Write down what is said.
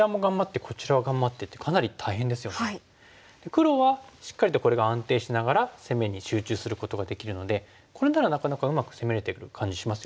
黒はしっかりとこれが安定しながら攻めに集中することができるのでこれならなかなかうまく攻めれてる感じしますよね。